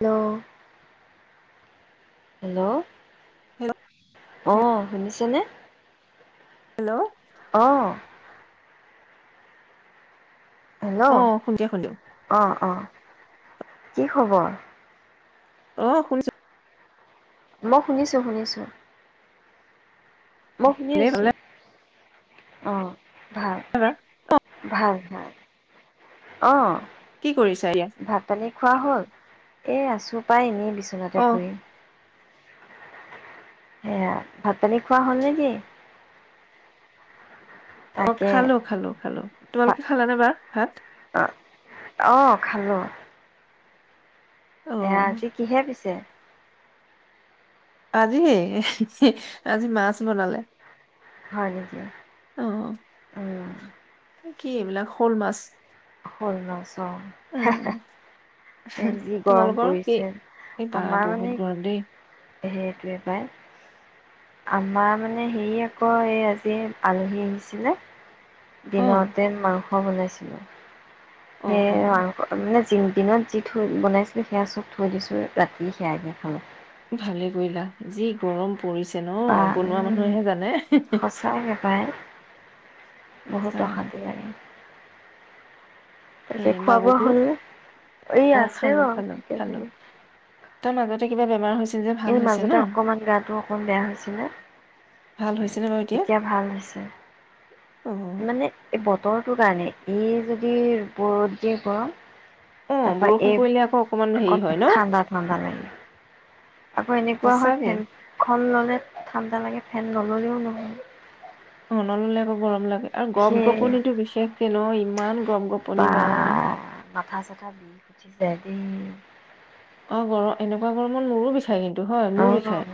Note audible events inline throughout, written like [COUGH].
অ hello হে অ শুনিছেনে হেল্ল' অ হেল্ল' অ শুনি শুনিলো অ অ কি খবৰ অ শুনিছো মই শুনিছো শুনিছো মই শুনি ভালে আছো ভালে অ ভাল এবাৰ ভাল ভাল অ কি কৰিছা এতিয়া ভাতপানী খোৱা হ'ল এ আছো পাই এনেই বিছনাতে অ পৰি এয়া ভাত পানী খোৱা হ'ল নে কি অ খালো খালো খালো তোমালোকে খালানে বাত ভাত অ খালো অ এইয়া, আজি কিহে পিছে? আজি, আজি মাছ বনালে হয় নেকি? অ উম- কি এইবিলাক, শ'ল মাছ? শ'ল মাছ অ হে উম হে যি গৰম তোমালোকৰ কি পৰিছিল এই বা আমাৰ বহুত মানে গৰম দেই সেইটোৱে পাই, আমাৰ মানে হেৰি আকৌ এই আজি আলহি আহিছিলে। অ দিনতে মাংস মই বনাইছিলোঁ। অ সে অ মানে [UNINTELLIGIBLE] দিনত যি থৈ বনাইছিলোঁ, সেইয়া চব থৈ দিছোঁ ৰাতি সেইয়াকে খালোঁ। ভালে কৰিলা যি গৰম। পৰিছে ন, বা বনোৱা মানুহেহে জানে। হি হি সঁচাকে পাই বহুত অশান্তি লাগে এই তাকে, খোৱা বোৱা বাবুতো হ'ল নে? অ' এই আছে খালো বাৰ খালো ঠিকে খালো থাগে। তাৰ মাজতে কিবা বেমাৰ হৈছে যে ভাল এই মাজতে ন অকণমান গাটো অকন বেয়া হৈছিলে ভাল হৈছেনে বাৰু এতিয়া ভাল হৈছে। অ', মানে এই বতৰ বতৰটো কাৰণে, ই যদি ব ৰ'দ দিয়ে, গৰম অ', তাৰপৰা বৰষুণ এই পৰিলে আকৌ অকমান হেৰি হয় ন? ঠাণ্ডা-ঠাণ্ডা লাগে, আকৌ এনেকুৱা হয় সঁচাকে ফেন খন ললে। ঠাণ্ডা লাগে ফেন নল'লেও নহয়। অ, ন-ললে আকৌ গৰম লাগে। আৰু গম সেই গপ-গপনিটো বিশেষকে ন? ইমান গম-গপনি বা- মাঠা চাঠা বিহ খুঠি যায় দেই। অ- গৰ, এনেকুৱা গৰমত মোৰো বি বিষাই কিন্তু হয় অ', মোৰ বিষাই,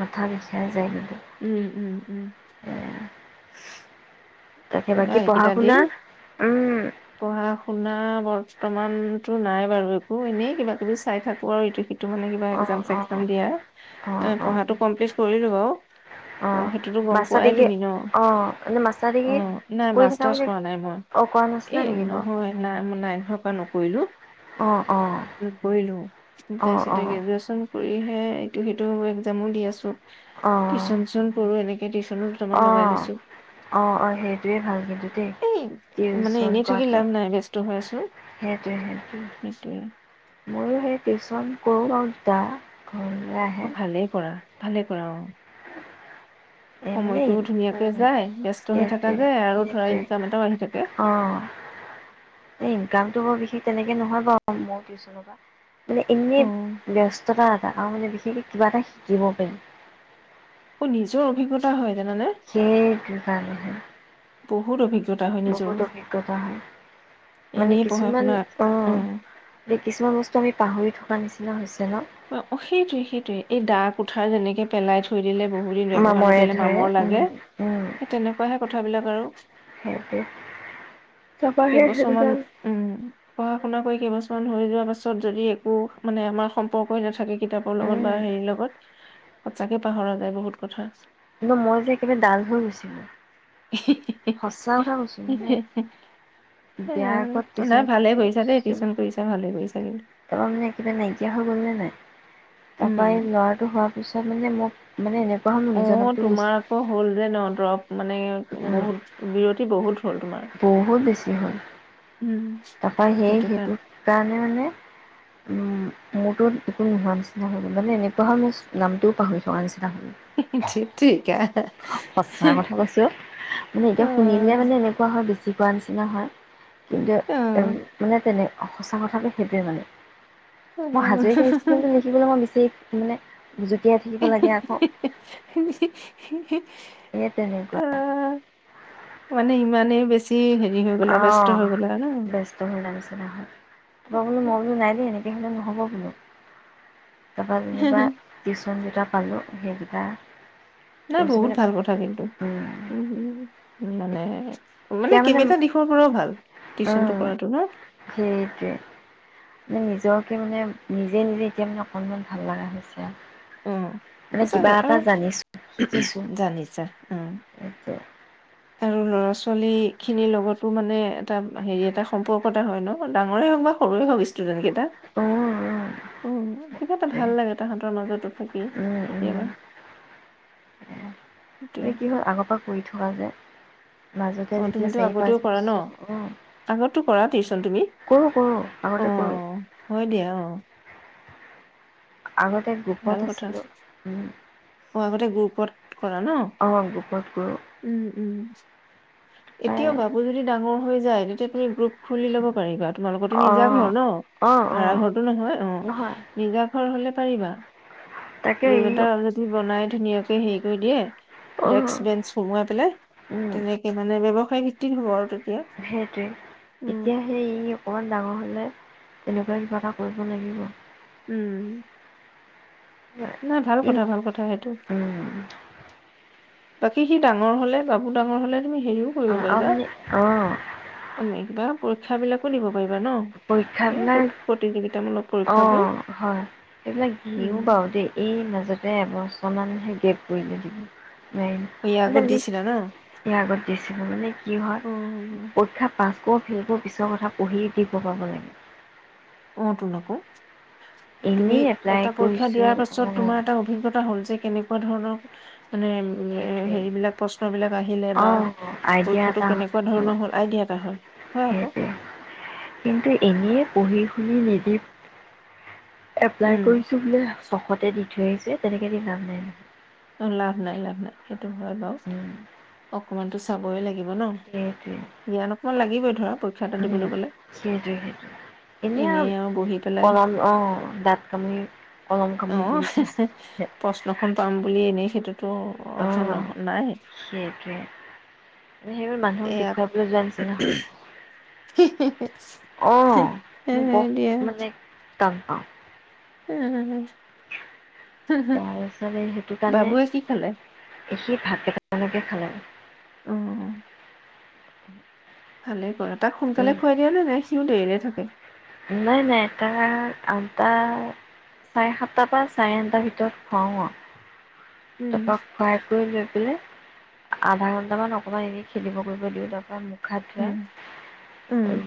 মাথা বিষাই যায় কিন্তু উম, উম, উম, এ তাকে কিবা বাকী পঢ়া এইকেইটা শুনা? দিন, উম, পঢ়া শুনা বৰ্তমান- ইমানতো নাই বাৰু একো, এনেই কিবা কিবি চাই থাকো আৰু ইটো-সিটো। এইটো মানে কিবা অ', এক্সজাম অ', চেক্সজাম দিয়াৰ, অ', অ', পঢ়াটো একম্পিলত কৰিলোঁ বাৰু, অ', সেইটোটো গম মাষ্টাৰ পোৱাই ডিগ্ৰী তুমি ন? অ', এনে মাষ্টাৰ ডিগ্ৰী অ- নাই কৰি থকা মাষ্টাৰ্চ বুলি কৰা নাই মই, অ', কৰা নাছিলা এই নেকি বাৰু? নহয় নাই মই নাই নহয় মই নকৰিলোঁ কইলো [UNINTELLIGIBLE] অ', অ', কৰিলো, অ', তাৰপিছতে অ', গ্ৰেজুৱেচন কৰি- কৰিহে, ইটো সিটো এক্সজামো দি আছো। টিচন চিচন কৰো এনেকে টিউচনো দুটামান লগাই অঁ লৈছো অ'অ'সেইটোৱে ভাল। ই এই মানে টিউচন এনেই থাকি কৰাটো লাভ নাই ব্যস্ত হৈ আছো সেইটোৱে সেইটোয়ে সেইটো মইয়ো সেই টিউচন [UNINTELLIGIBLE] আহে। অ' ভালেই কৰা! ভালে কৰ'! এনেই উ! ধুনীয়াকে যায় ব্যস্ত হৈ থকা সেইটোৱে যায় আৰু ধৰা সেইটোৱে ইনকাম এটাও আহি থাকে অ' এই ইনকামটো বৰ বিশেষ তেনেকে নহয় বাৰু মোৰ টিউচনৰ পৰা! মানে, অ এনেই ব্যস্ততা! আৰু মানে, বিশেষকে কিবা এটা শিকিব পাৰিম। অ' নিজৰ অভিজ্ঞতা হয়। জানানে সেইটো, কাৰনেহে! বহুত অভি! বহুত অভিজ্ঞতা হয়। মানে, এনেই পঢ়া কিছুমান শুনা অ' উম কিছুমান বস্তু আমি পাহৰি থৈ কিবা নিচিনা হৈছে ন! অ' অ' সেইটোৱে সেইটোৱে, এই দা কুঠাৰ যেনেকে পেলাই থৈ পঢ়িলে বহুত দিন ব্যৱহাৰ মামৰে নকৰিলে, ধৰে মামৰ উম লাগে, উম সেই, তেনেকুৱাহে কথাবিলাক আৰু সেইটোৱে তাৰপৰা সেই সেইটো কেইবছৰমান কাৰণে উ! পঢ়া শুনা কৰি কেইবছৰমান হৈ যোৱা পাছত যদি একো মানে আমাৰ কৈ কৈ নাথাকি কিতাপৰ লগত বা উম হেৰিৰ লগত সঁচাকে পাহৰা যায় বহুত কথা। কিন্তু মই যে, একেবাৰে ডাল হৈ গৈছিলো। সঁচা কথা কৈছো মানে, বিয়াাৰ আগত নাই ভালে চিউচন কৰিছা দেই কৰিছিলোঁ, টিউচন কৰিছা ভালে কৰিছা কিন্তু তাৰপা মানে একেবাৰে নাইকিয়া হৈ গ'ল নে নাই! তাৰপৰা এই উম ল'ৰাটো হোৱাৰ পিছত মানে মোক মানে এনে অ তোমাৰ আকৌ হ'ল যে ন দৰৱ মানে উম, বহুত! বিৰতি বহুত হ'ল তোমাৰ, বহুত বেছি হ'ল। উম! তাৰপৰা সেই সেইটো কাৰণে মানে উম, মোৰতো একো নোহোৱা নিচিনা হৈ গল। মানে এনেকুৱা হয়, মোৰ নামটোও পাহৰি থোৱা নিচি সচাঁ ঠিকে কথা কৈছো অ' মানে, এতিয়া শুনিলে মানে এনেকুৱা হয় জিকোৱা নিচিনা হয়। কিন্তু, মানে তেনে, সঁচা কথাটো সেইটোৱে মানে। মই হাজৰিকা আহিছিলো কিন্তু লিখিবলৈ মই বিশ মানে জুতিয়াই থাকিব লাগে আকৌ এই তেনেকুৱা আহ, মানে ইমানেই বেছি হৈ গ'লা অ ব্যস্ত হৈ গ'লা ন বস্ত ভ লাগিছে নহ ত বোলো মই বোলো নাই দিয়ে নেকি সবিললে নহ'ব বোলো তাৰপা যেনিবা যোনকেইটা পালোঁ সেইকেইটা নাই কৰিছোঁ বহুত মানে ভাল কথা কিন্তু উ এতিয়া মানে মানে কেইবাটা দিশৰ পৰাও ভাল টিউশচনটো কৰাটো ন সেইটোৱে মানে নিজকে মানে নিজে নিজে এতিয়া মানে অকণমান ভাল লগা হৈছে আৰু উম মানে কিবা সচাকৈ এটা আৰু জানিছোঁ শিকিছোঁ জানিছা উম এতিয়া। আৰু ল'ৰা ছোৱালী খিনিৰ লগতো মানে এটা হেৰি এটা সম্পৰ্ক এটা হয় ন ডাঙৰে হওক বা সৰুে হওক ষ্টুডেন্ট কেইটা উম, উম, উম কিবা এটা ভাল লাগে তাহতৰ মাজতো থাকি উম, কেতিয়াবা সেইটোৱে। এ কি হ'ল আগৰ পৰা কৰি থকা যে মাজতে অ যেতিয়া তুমিতো চাৰি পাঁচ আগতেও কৰা ন বছৰ অ আগতো কৰা টিউচন তুমি কৰোঁ কৰোঁ অ আগতে কৰোঁ হয় দিয়া অ আগতে ভাল গ্ৰুপত কথা। আছিলো উম অ', আগতে গ্ৰুপত কৰা ন কৰোঁ উম উম এতিয়াও ভাবু যদি ডাঙৰ হৈ যায় তেতিয়া আপুনি গ্ৰুপ খুলি ল'ব পাৰিব তোমালোকো নিজা অঁ ঘৰ ন অঁ ভাড়া অঁ ঘৰৰতটো নহয় অ নহয় নিজা ঘৰ হলে পাৰিবা তাকে ৰুম ই এটা যদি বনাই ধুনীয়াকে হেৰি কৰি দিয়ে অঁ ডেক্ক বেঞ্চ সোমোৱাই পেলাই তেনেকে মানে ব ফাই ফফট হ'ব আৰু তেতিয়া। সেইটোৱে উম, এতিয়া সেই ই অকমান ডাঙৰ হলে তেনেকুৱাই কিবা এটা কৰিব লাগিব উম নাই ভাল ই আৰু কথা ভাল কথা সেইটো বাকী সি ডাঙৰ হলে বাবু ডাঙৰ হলে তুমি হেৰিও কৰিব পাৰিবা মানে অঁ বা পৰীক্ষা বিলাকো দিব পাৰিবা ন পৰীক্ষা এই বিলাক প্ৰত- প্ৰতিযোগিতামূলক অ পৰীক্ষাবোৰ হয় সেইবিলাক দিও বাৰু দেই এই মাজতে এবছৰ অকণমানহে গেপ কৰিলে দিবি অ ইয়াৰ আগত দিছিলা ন ইয়াৰ আগত দিছিলো মানে কি হয় অ পৰীক্ষা পাছ আকৌ ফিলবোৰ পিছৰ কথা পঢ়ি শিকো পাব লাগে অ টোন আক তুমি এনেই এপ্লাই এটা পৰীক্ষা কৰিছোঁ দিয়াৰ পাছত তোমাৰ অ'। এটা অভিজ্ঞতা হ'ল যে কেনেকোৱা ধৰণৰ মানে সেইটোৱে, হেৰিবিলাক প্ৰশ্ন বিলাক আহিলে বা অ', আইডিয়া পৰীক্ষাটো এটা কেনেকোৱা ধৰণৰ হ'ল আইডিয়া এটা হয় হয় আকৌ সেইটোৱে কিন্তু এনে পঢ়ি ওমহ বিপ এপ্লাই উম কৰিছো বোলে চখতে দি ধইছে তেনেকেদি লাভ নাই ল অ লাভ নাই লাভ নাই সেইটো টো হয় বাও উম, অকণমানতো চাবই লাগিব ন সেইটোৱে জ্ঞান অকমান লাগিবই ধৰা পৰীক্ষা এটা উম দিবলৈ গ'লে সেইটোৱে সেইটোৱে এনেই আও আৰু বহি পেলাই কলম আহ দাঁত কামি কলম অ কামি বহি থাক প্ৰশ্নখন পাম বুলি এনেই সেইটোত টো অৰ্থ নাই সেইটোৱে মানে সেইবোৰ মানুহক দেখুৱাবলৈ যোৱা নিচিনা হয় হি হি হি অ', অ মই বৰ দিয়া মানে টান পাওঁ উম হম হম হে হে তাৰপিছত সেইটো কাৰণে বাবুৱে কি খালে সি ভাত কেটা মানকে খালে অহ উম ভালে কৰাত তাক সোনকালে খুৱাই দিয়া নে সি দেৰিলে থাকে ওম নাই নাই তাক আঠটা চাৰে সাতটাৰ পৰা চাৰে আঠটাৰ ভিতৰত খুৱাওঁ অ উম তাৰপা খুৱাই কৰি লৈ পেলাই আধা ঘন্ট মান অকমান এৰি খেলিব কৰিব দিও তাপা প্ৰখাদা উম উম আৰু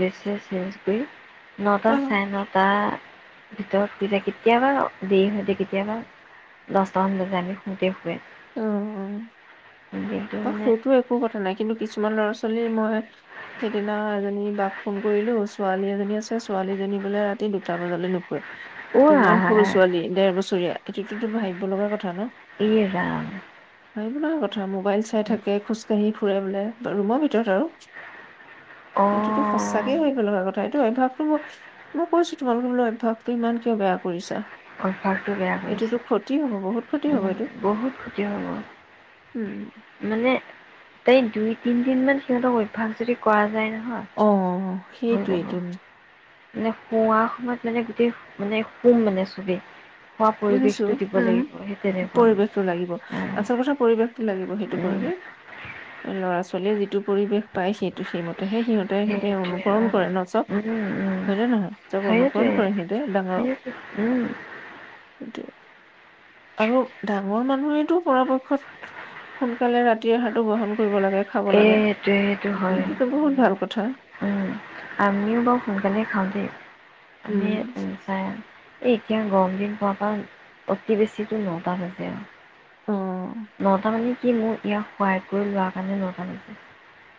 ৰিফ্ৰেছ ইউজ কৰি নটা অ চাৰে নটা ভিতৰত কেতিয়াবা দেৰি সতে কেতিয়াবা দছ [UNINTELLIGIBLE] হয় অ দিয়া। অ সেইটো একো কথা নাই। কিন্তু কিছু তোমাৰ ল'ৰা ছোৱালী মই সেইদিনা এজনী বাক ফোন কৰিলো, ছোৱালী এজনী আছে৷ ছোৱালীজনী বোলে ৰাতি দুটা বজালে নুশুৱে৷ ইমান অ' সৰু ছোৱালী ডেৰ বছৰীয়া৷ এইটোতো ভাবিব লগা কথা ন? এ ৰাম ভাবিব লগা কথা মোক ঠে থাকে খোজকাঢ়ি পুৰা বোলে৷ ৰুমৰ ভিতৰত আৰু। এইটোতো অ' সঁচাকে ভাবিব লগা কথা৷ অভ্যাসটো মো মই কৈছো তোমালোকে বোলো অভ্যাসটো ইমান কিয় বেয়া কৰিছা? অভ্যাসটো বেয়া এইটোতো কৰিছে। ক্ষতি হ'ব বহুত ক্ষতি হ'ব উম এইটো বহুত ক্ষতি হব৷ উম মানে তাইক দুই তিনদিন মান সিহঁতক অভ্যাস যদি কৰা যায় ন৷ অ' সেইটোয়েইটো। মানে শুৱা সময়ত মানে গোটেই মানে শুম মানে। তুবি বুজিছো উম পৰিৱেশটো লাগিব, মানে আচল কথা পৰিৱেশটো লাগিব, সেইটো উম, পৰিবেশ৷ ল'ৰা ছোৱালী যিটো পৰিৱেশ পায় সেই সেইমতেহে সিহঁতে সিহঁতে সেইটোৱে অনুকৰণ অ', কৰে নচব উম, উম, হয় ন নহয় চক অনুকৰণ সেইটোৱে। কৰে সিহঁতে ডাঙৰক সেইটো উম, সেইটোৱে। আৰু ডাঙৰ মানুহেইটো পৰাপক্ষত সোনকালে ৰাতিৰ আহাৰটো গ্ৰহন এ এইটো হয় সেইটোতো বহুত ভাল কথা। উম আমিও বাৰু সোনকালে খাম। উম। আমি এ উম চা এই এতিয়া গৰম দিন পোৱাৰ পৰা অতি বেছিটো নটা বাজে আৰু অ নটা মানে কি মোৰ ইয়াক সোৱাই কৰি লোৱা কাৰণে নটা বাজে।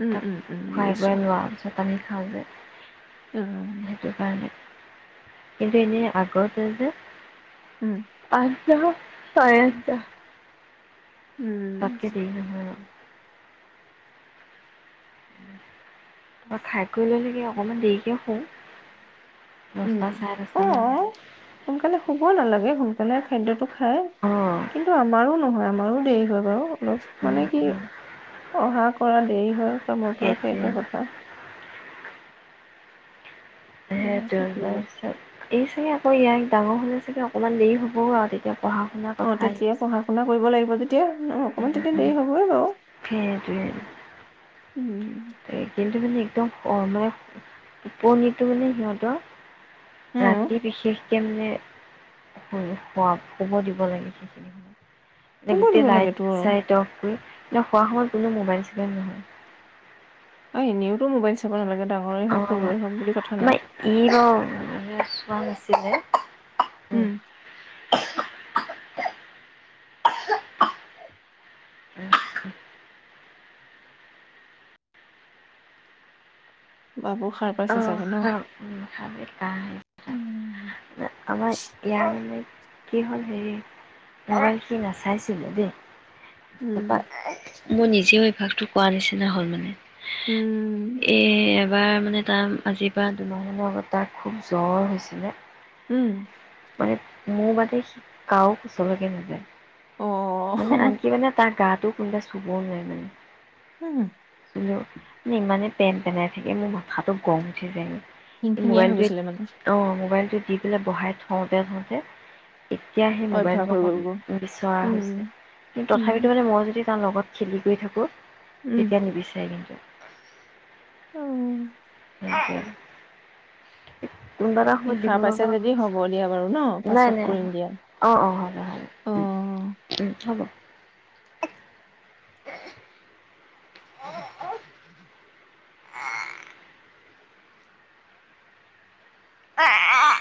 উম তাক উম উম খুৱাই বুজিছো বোৱাই লোৱাৰ পিছত। আমি খাওঁ যে, অ সেইটো কাৰণে। কিন্তু এনে আগতে যে, উম। [UNINTELLIGIBLE] উম তাতকে দেৰি নহয় আৰু খাই কৰি লৈ অকণমান দেৰিকে শু, উম দচটা চাৰে অ দচটা মান বাজে সোনকালে শুব নালাগে সোনকালে খাদ্যটো খাই অ কিন্তু আমাৰো নহয় আ আমাৰো দেৰি হয় বাৰু ল মানে কি অহা কৰা দেৰি হয়কা মোৰ পৰা সেইটা সেইটোৱে কথা সেইটোয় বাৰ চব এই চাগে আকৌ ইয়াক ডাঙৰ হ'লে চাগৈ অকণমান দেৰি হ'বও আৰু তেতিয়া পঢ়া শুনাৰ অ কথা আহিব তেতিয়া পঢ়া শুনা কৰিব লাগিব য এতিয়া অকমান তেতিয়া দেৰি হবই বাৰু সেইটোৱে উম কিন্তু মানে একদম মানে পনিতটো মানে সিহঁতৰ উম ৰাতি বিশেষ একে মানে শুব দিব লাগে সেইখিনি কোনবোৰ গোটেই দিব লাগে লাইট তোৰ চাইট অফ কৰি খোৱা সময়ত কোনো মোবাইল চিবাইন নহয় আৰু এনিউটো মোবাইল চাব নালাগে ডাঙৰে অ হওক সৰুৱে হওক বুলি কথা নাই আমাৰ ই ৰ চোৱা নাছিলে উম আ বাবু সাৰ অ পাইছে চাগে ন উ উম আমাৰ কি হল হেৰি মবাইল সি নাচাইছিলো দেই ত উম মোৰ নিজেও অভ্যাসটো কোৱাৰ নিচিনা হ'ল মানে উম এ এবাৰ মানে তাৰ আজিৰ পৰা দুমাহনৰ আগত তাৰ খুব জ্বৰ হৈছিলে উম মানে মোৰ বাদে কাও কোচলৈকে নাযায় অ মানে আন কি মানে তাত গাটো কোনোবা চুবও নোৱাৰে মানে হম মে ইমানেই পেন পেনাই থাকে মোৰ মাথাটো গম উঠি যায়গ এই খিনখিনিয়া হৈ মোবাইলটো গৈছিলে মানে অ মোবাইল দি পেলাই বহাই থওঁতে থওঁতে এতিয়া সেই অভ্যাস মোবাইলটো হৈ অকণ গ'ল গৈ বিচৰা হৈছে উম কিন্তু উম তথাপিতো মানে মই যদি তাৰ লগত খেলি গৈ থাকোঁ উম ঠিকে নিবিচাৰে কিন্তু অ অ কোনবা এটা সি সময়ত দিব সাৰ না পাইছে যদি হ'ব দিয়া বাৰু ন নাই পাছত নাই কৰিম দিয়া অ অ হ উ অ উম হ'ব [UNINTELLIGIBLE] আহ অ আহ আহ